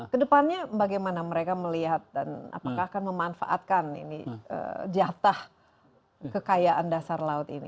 kedepannya bagaimana mereka melihat dan apakah akan memanfaatkan ini jatah kekayaan dasar laut ini